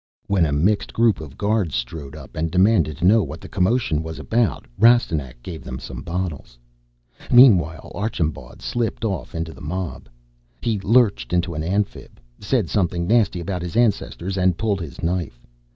When a mixed group of guards strode up and demanded to know what the commotion was about, Rastignac gave them some of the bottles. Meanwhile, Archambaud slipped off into the mob. He lurched into an Amphib, said something nasty about his ancestors, and pulled his knife.